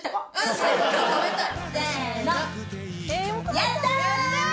やったー！